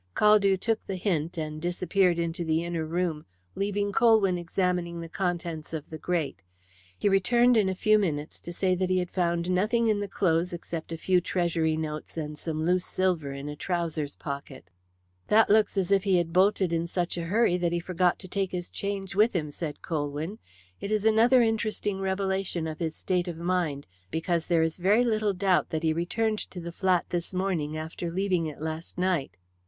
Caldew took the hint, and disappeared into the inner room, leaving Colwyn examining the contents of the grate. He returned in a few minutes to say that he had found nothing in the clothes except a few Treasury notes and some loose silver in a trousers' pocket. "That looks as if he had bolted in such a hurry that he forgot to take his change with him," said Colwyn. "It is another interesting revelation of his state of mind, because there is very little doubt that he returned to the flat this morning after leaving it last night."